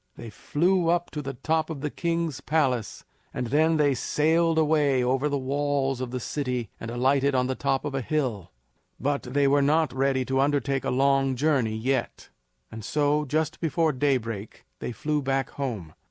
They flew up to the top of the king's palace, and then they sailed away over the walls of the city and alighted on the top of a hill. But they were not ready to undertake a long journey yet; and so, just before daybreak, they flew back home.